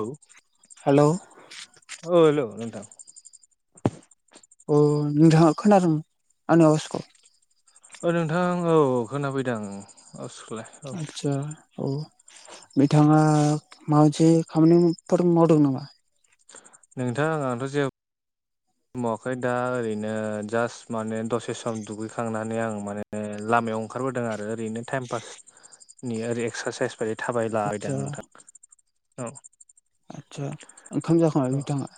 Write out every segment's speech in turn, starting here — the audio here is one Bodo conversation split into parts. औ हेलौ औ हेल' नोंथां। नोंथांङा खोनादों आंनि आवाजखौ ओ नोंथां औ औ खोनाफैदों आं। आतसा औ। नोंथाङा माबा मोनसे खामानिफोर मावदों नामा? नोंथां आंथ' जेबो मावाखै दा ओरैनो जास्ट माने दसे सम दुगैखांनानै आं माने लामा लामायाव ओंखारबोदों आरो ओरैनो टाइमपासनि इक्सारसाइस बेबायदि थाबायलाबायदां आं नोंथां औ। आतसा ओंखाम जाखांबाय औ नोंथांङा।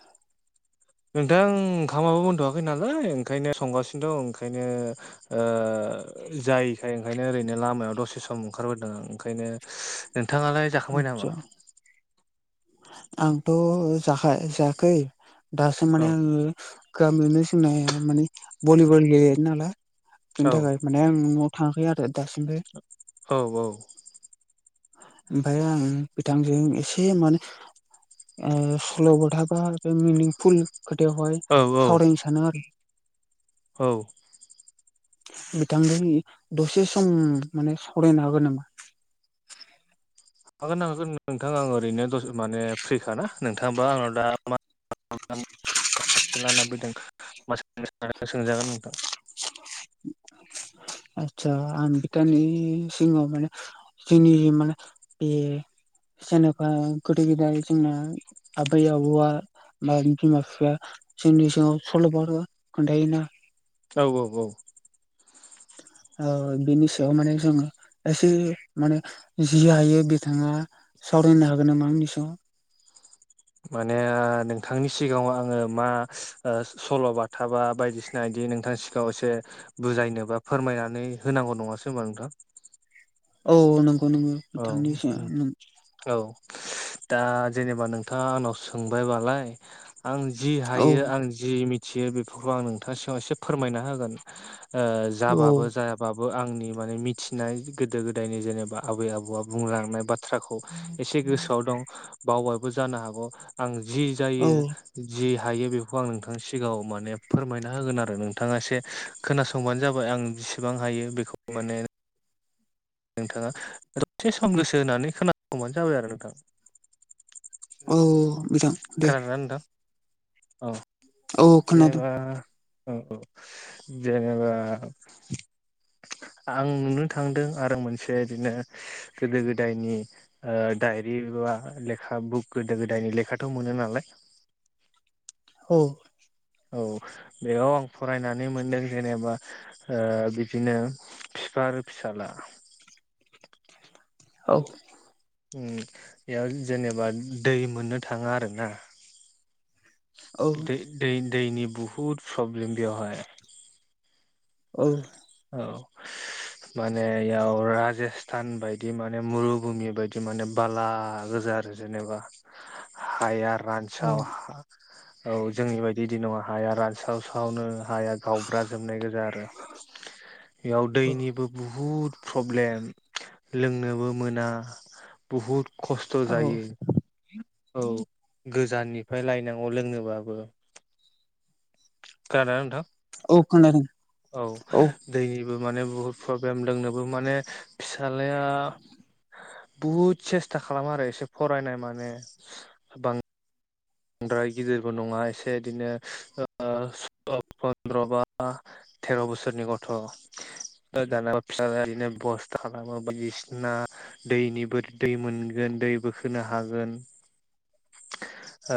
नोंथां ओंखामाबो जाथ'वाखै नालाय ओंखायनो संगासिनो दं ओंखायनो ओ ओ जायै ओंखायनो ओरैनो लामायाव दसे सम ओंखारबोदों आं ओंखायनो नोंथाङालाय जाखांबाय आदसा नामा? आंथ' जाख जायाखै दासो औ माने आङो गामियावनो जोंना माने भलिबल गेले नालाय बिनि औ थाखाय माने आं न'आव थाङाखै आरो दासिमबो औ- औ। ओमफ्राय आं बिथांजों एसे माने सल'ब थाबा बा मिनिंफुल खोथायावहाय औ सावरायनो सानो आरो। औ। बिथांजों दसे सम माने सावरायनो हागोन नामा? [unintelligible] हागोन ना हागोन नोंथां आं ओरैनो द माने फ्रिखाना नोंथांबा आंनाव दा मा लाना फैदों म सोंजागोन नोंथां [unintelligible] [unintelligible] आतसा आं बितानि सिगाङाव माने जोंनि माने बे जेनेबा गोदो गोदाय जोंना आबै आबौआ म बिमा बिफाया जोंनि सिगाङाव सल'बाथा खोन्थायोना‌‌। औ औ औ। औ बेनि सायाव माने जों एसे माने जि हायो बिथाङा सावरायनो हागोन नामा आंनिसायाव। [unintelligible] माने नोंथांनि सिगाङाव आङो मा सल' बाथा बा बायदिसिना बिदि नोंथां सिगाङाव एसे बुजायनो बा फोरमायनानै होनांगौ नङासो होनबा नोंथां। औ नंगौ नंगौ [unintelligible] औ दा जेनेबा नोंथाङा आंनाव सोंबायबालाय आं जि औ हायो आं जि मिथियो बेफोरखौ आं नोंथांनि सिगाव एसे फोरमायना होगोन ओ औ जाबाबो जायाबाबो आंनि माने मिथिनाय गोदो गोदायनि जेनेबा आबै आबौ बबा बुंलांनाय बाथ्राखौ एसे गोसोआव दं बावबायबो जानो हागौ आं जि औ जायो जि हायो बेखौ आं नोंथांनि सिगाङाव माने फोरमायना होगोन आरो नोंथाङा एसे खोनासंबानो जाबाय आं जेसेबां हायो बेखौ माने नोंथाङा दसे सम गोसो होनानै खोनासंबानो जाबाय आरो नोंथाङा। औ बिथां दे खोनादोंना नोंथां औ। औ खोनादों जेनबा औ जेनेबा आं नुनो थांदों आरो मोनसे इदिनो गोदो गोदायनि ओ डायरि बा लेखा बुक गोदो गोदायनि लेखाथ' मोनो नालाय औ औ बेयाव आं फरायनानै मोनदों जेनेबा ओ बिदिनो फिफा आरो फिसाला औ उम बेयाव जेनेबा दै मोननो थाङा आरो ना औ दै दै दैनि बहुद प्रब्लेम बेयावहाय औ [inaudible] माने इयाव राजेस्थान बायदि माने मुरुभुुमि बायदि माने बाला गोजान जा आरो जेनेबा हायार औ रानसाव औ जोंनि बायदि बिदि नङा हाया रानस्रावसावनो हाया गावब्रा जोबनाय गोजा आरो बेयाव औ दैनिबो बहुद प्रब्लेम लोंनोबो मोना बहुद खस्थ' औ जायो औ गोजाननिफ्राय लायनांगौ लोंनोबाबो खोनादोंना नोंथां औ खोनादों औ दैनिबो माने बुहुत प्रब्लेम लोंनोबो माने फिसालाया बहुद सेस्था खालामो आरो एसे फरायनाय माने बां द्राय गिदिरबो नङा एसे इदिनो ओ ओ ओ [unintelligible] फन्द्र बा थेर' बोसोरनि गथ'। त' दानाबा फिसालाया बिदिनो बस्था खालामो बायदिसिना दैनिबो दै मोनगोन। दै बोखोनो हागोन। [inaudible] ओ।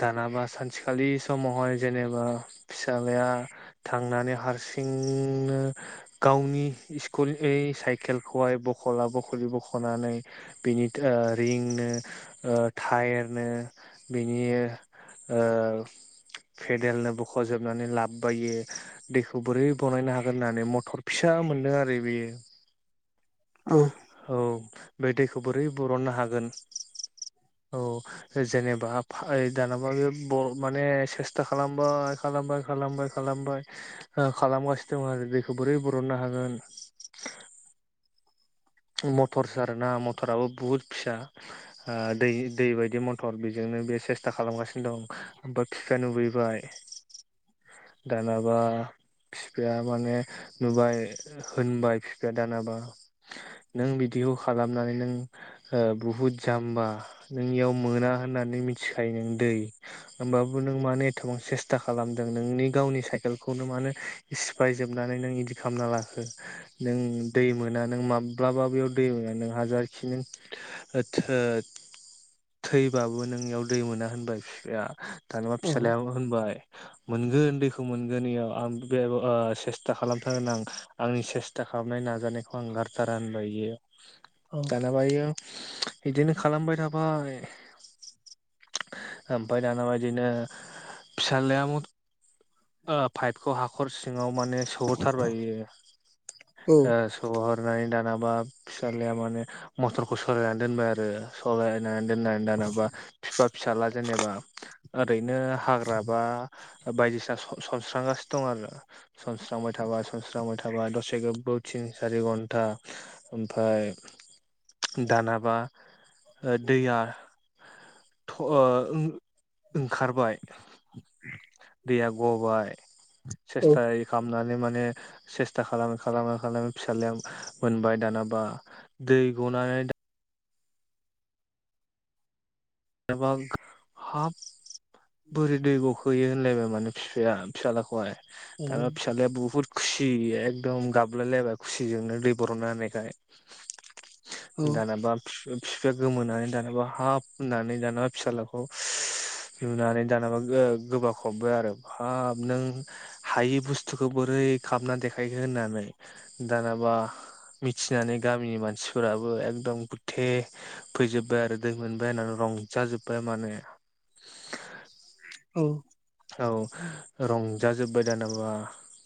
दानाबा सानसेखालि समावहाय जेनेबा फिसालाया थांनानै हारसिं सिं नो गावनि स्कुल साइकेलखौहाय बखला बखलि बख। खनानै बिनि ओ रिंनो टायेरनो बिनि ओ ओ फेदेलनो बखजोबनानै लाबबायो इयो। दैखौ बोरै बनायनो हागोन होननानै मथर फिसा मोनदों आरो बेयो औ औ। बे दैखौ बोरै बरननो हागोन औ। जेनेबा फा दानाबा ब माने सेस्था खालामबाय खालामबाय खालामबाय खालाम। खालामबाय खालामगासिनो दं आरो दैखौ बोरै बरननो हागोन। मटरसो आरोना मटराबो बुहुत फिसा ओ दै दै बायदि मटर बेजों बे सेस्था खालामगासिनो दं ओमफाय बिफाया नुुबैबाय। [inaudible] दानाबा। फिफाया माने नुबाय होनबाय फिफाया दानाबा। नों बिदि मिथिखायो नों दै होमबाबो मानो एथबां सेस स्था खालामदों नोंनि गावनि साइकेलखौनो मानो सिफायजोबनानै नों इदि खामना लाखो नों दै मोना नों मा माब्लाबा बेयाव दै मोना नों हाजारखि नों ओ थोद थैबाबो नों इयाव दै मोना होनबाय फिफाया दानाबा औ फिसालाया होनबाय मोनगोन दैखौ मोनगोन इयाव आं बे ओ सेस्था खालामथारगोन आं आंनि सेस्थाख खालामनाय नाजानायखौ। थार होनबाय बियो औ दानाबा इयो बिदिनो खालामबाय थाबाय। ओमफ्राय दानाबा बिदिनो फिसालाया। पाइपखौ हाखर सिङाव माने। सोहरथारबाय इयो ओ सोहर। दानाबा फिसालाया माने मथरखौ सालायनानै दोनबाय आरो सलाय। दोनबाय दानबा बिफा फिसाला जेनेबा ओरैनो हाग्रा बा बाय। सनस्रांगासिनो दं आरो सनस्रांबाय थाबाय सनस्रांबाय थाबाय। थाबाय दसे गोबाव थिन सारि घन्टा। ओमफ्राय दानाबा दैया। ओंखारबाय। दैया गबाय सेस्थाय खालाम। नानै माने सेस्था खालाम खालाम फिसालाया मोनबाय दानबा दै। गनानै दा। जेनेबा हाब बोरै दै गखो होनलायबाय माने बिफाया। फिसालाखौय दाना फिसालाया बुहुद। खुसि एकदम गाबलायलायबाय खुसिजोंनो दै बरननो होनायखाय। औ दानाबा बिफाया गोमानै दानाबा हाबफ। होननानै दानाबा फिसाज्लाखौ लुनानै दानाबा गोबा खबबो आरो बाब नों हायि बुस्थुखौ बोरै खामना देखायखो होननानै दानाबा मिथिनानै गामिनि मानसिफोराबो एकदम गुथे फैजोबबाय आरो दै मोनबाय होननानै रंजाजोब्बाय माने औ औ रंजाजोब्बाय दानाबा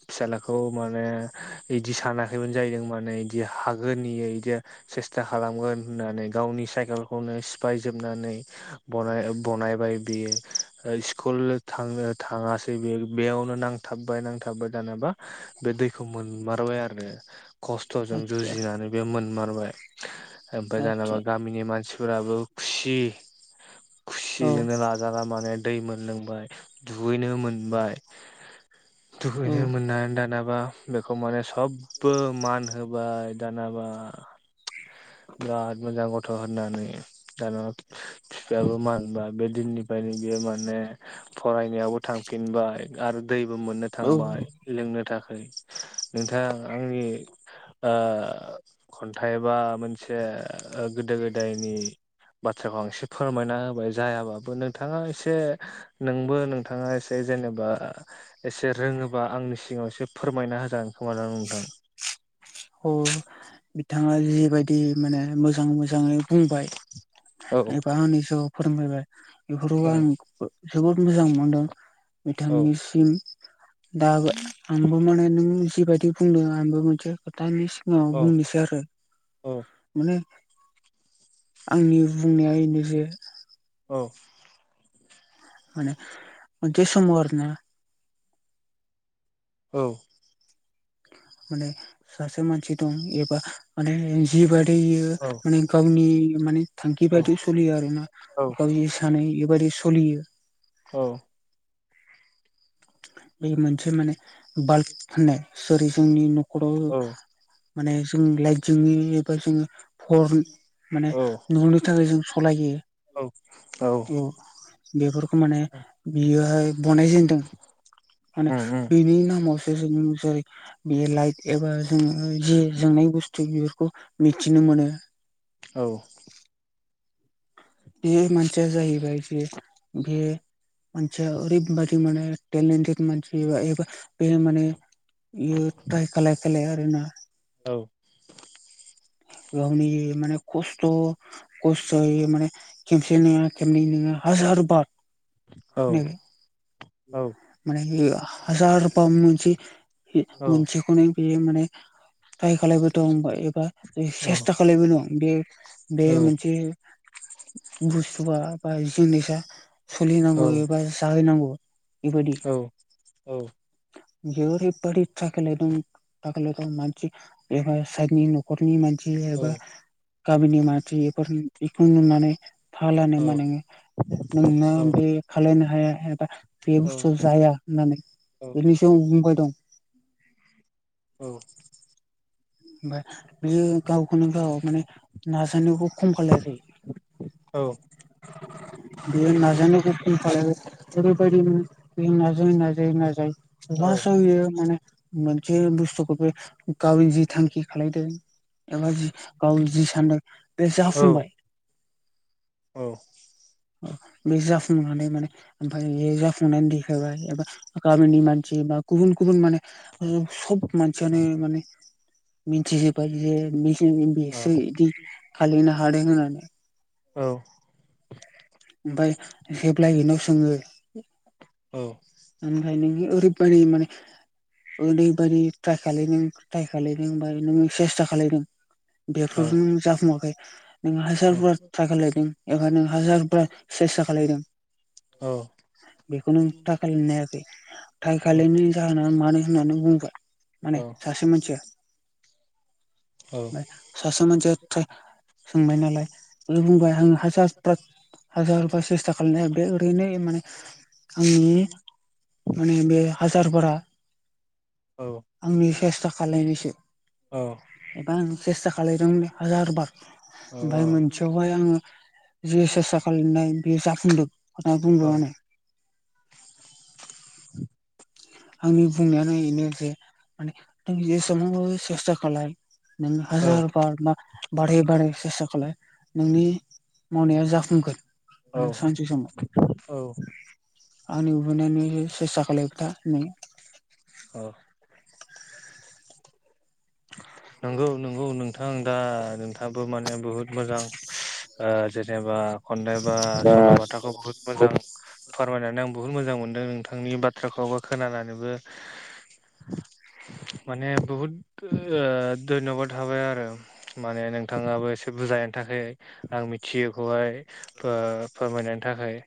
फिसाज्लाखौ माने बिदि सानाखैबानो जाहैदों माने बिदि हागोनि बिदि सेस्था खालामगोन होननानै गावनि साइकेलखौनो सिफाय जोबनानै बनायबाय बियो ओ सिकुल थांनो थाङासै बे बेयावनो नांथाबबाय नांथाबबाय दानोबा बे दैखौ मोनमार बाय आरो खस्थ'जों आतसा जुजिनानै बे मोनमारबाय ओमफ्राय दानाबा आतसा गामिनि मानसि फोराबो खुसि औ खुसिजोंनो लाजाला माने दै मोनलोंबाय दुगैनो मोनबाय औ दुगैनो मोननानै दाना माबा बेखौ माने सबबो मान होबाय दानाबा बिराद मोजां गथ' होननानै दाना बिफायाबो मानबा बे दिननिफ्रायनो बेयो माने फरायनायावबो थांफिनबाय आरो दैबो मोननो औ थांबाय लोंनो थाखाय नोंथां आंनि ओ खन्थाइ बा मोन एसे गोदो गोदायनि बाथ्राखौ आं एसे फोरमायना होबाय जायाबाबो नोंथाङा एसे नोंबो नोंथाङा एसे जेनेबा एसे रोङोबा आंनि सिगाङाव एसे फोरमायना होजानो खोमाादों नोंथां औ बिथाङा जिबायदि माने मोजां मोजाङै बुंबाय औ एबा आंनि जिउ फोरोंलायबाय बेफोरखौ औ आं जोबोद मोजां मोनदों मेथां औ मिरसिम दाबो आंबो माने नों जिबायदि बुंदों आंबो मोनसे खोथानो औ बुंनोसै आरो औ माने आंनि [inaudible] [unintelligible] औ माने जे सम आरो ना औ माने सासेसे मानसि दं एबा मान जिब औ माने गावनि माने थांखि औ बायदि सोलियो आरो ना गाव सानै बेबायदि सोलियो औ बे मोनसे माने बाल्ब होननाय जेरै जोंनि न'खराव माने जों लाइनि एबा जों फर माने औ न'नि थाखाय जों सालायो औ औ बेफोरखौ माने बियोहाय बनायजेनदों माने उम उम बिनि नामावसो जों जै बे लाइट एबा जो ज जोंनाय बुस्थु बेफोरखौ मिथिनो मोनो औ बे मानसेया जायोबायाय बे मानसि ओरैबाय माने मानसिबा बे माने बियो ट्राय खाय खालाय आरोना औ [inaudible] गावनि माने खस्थ' खस्थ'य माने खेसे नङा खनै नङा हाजार बार बार औ। औ माने हाजाराम मोनसे मोनसेखौनो बियो माने। [unintelligible] [unintelligible] ट्राय खालायबो दं एबा औ सेस्था खालायबो दं बे बे मोनसे। बुस्थुवा बा जिनिसा सोलिनांगौ एबा जाहैनांगौ। औ औ। जरैबायदि थाख ल दं थाखल द मानसि एबा सोरनि न'खरनि मानसि। औ एबा गामिनि मारसि बेफोर बेखौ नुनानै। थालानो औ मा नोङो नोंना औ बे खालायनो हाया एबा। बे बुस्थुआ जाया होननानै बेनिसायाव बुंबाय दं। औ। ओमफ्राय बियो गावखौनो गाव माने नाजानायावबो खम खालायबाय। बियो नाजा नायावबो खम खालायबाय। ओरैबायदि नाजायै नाजायै नाजायै लासैआवयो माने। मोन जे बुस्थ'खौ बे गाव जि थांखि खालायदों। एबा जि गाव जि सानदों बे जाफुंबाय। औ। बे जाफुंनानै माने ओमफ्राय बे जाफुंनानै देखायबाय। गामनि मानसि गुबुन गुबुन माने सब मानसि मने। मिथिजोबबाय जेसे बिदि खालायनो हादों होननानै। औ। ओमफाय जेब्लाबेनाव सोङो। ओफ्राय नों ओरैबायानि माने। ओरैबादि ट्राय खालायदों ट्राय खालदों नोङो सेस्था खालायदों। बेफोर नों जाफुङाखै नों हाजार बार ट्राय खालायदों एबा नों हाजार सेस्था। गोजोन्नाय। बेखौनो थाय खालायनो हायाखै खालिनि जाहोनाव मानो। होननानै बुंबाय माने सासे मानसिया। ओमफाय सासे मानसिया टाय। सोंबाय नालाय बे बुंबाय आङो हासास ट्रा। हाजार बास सेस्था खालाय नायाव हाबाय बे ओरैनो माने। आंनि माने बे हाजारबारा। आंनि सेस्था खालायनायसो। औ। एबा आं चेस्था खालामायदोंंमोन हाजार बार। ओमफ्राय मोनसेयावहाय आङो जि सेस्था खालामनाय। बे जाफुंदों खोथा बुंदोंङानो। आंनि बुंनायानो बेनो जे माने नों जेसेबांबाबो सेस्था खालाय। हाजार बार ना बारे बारे सेस्था खालाय। नोंनि मावनाया जाफुंगोन। माने सानसे समाव आंनि उबैनानै सेस्था खालबाय था। नै। अ। नंगौ नंगौ नोंथां दा नोंथाङाबो माने बहुत मोजां। ओ जेनेबा खननाय बा सल'बाथाखौ बुहुत दा मोजां फोरमायनानै आं। बुहुत मोजां मोनदों नोंथांनि बाथ्राखौबो खोनानानैबो। माने बहुद ओ धन्यबाद थाबाय आरो। माने नोंथाङाबो एसे बुजायनो थाखाय आं मिथियैखौहाय ओ फोरमायनाय। बेनि थाखाय।